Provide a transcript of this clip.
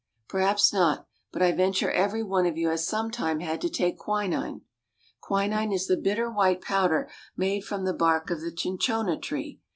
Perhaps not, but I venture every one of you has sometime had to take quinine. Quinine is the bitter white powder made from the bark of the cin chona tree.